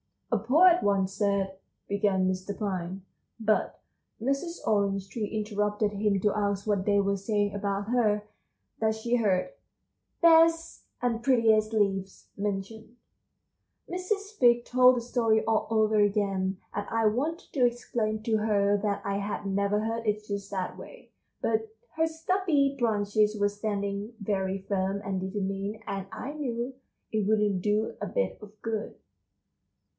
"A poet once said," began Mr. Pine. But Mrs. Orange Tree interrupted him to ask what they were saying about her; that she heard "best and prettiest leaves" mentioned. Mrs. Fig told the story all over again, and I wanted to explain to her that I had never heard it just that way; but her stubby branches were standing very firm and determined, and I knew it wouldn't do a bit of good.